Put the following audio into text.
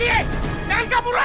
jangan kabur weh